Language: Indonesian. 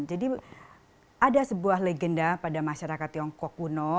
jadi ada sebuah legenda pada masyarakat tiongkok kuno